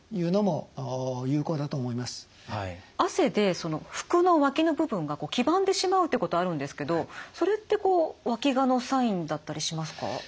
汗で服のわきの部分が黄ばんでしまうってことあるんですけどそれってわきがのサインだったりしますか？